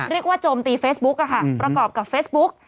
เรียกว่าโจมตีเฟซบุ๊กอะค่ะประกอบกับเฟซบุ๊ก